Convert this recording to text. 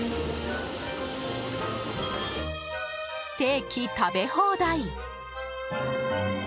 ステーキ食べ放題。